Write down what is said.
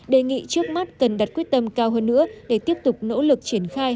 đề nghị trước mắt cần đặt quyết tâm cao hơn nữa để tiếp tục nỗ lực triển khai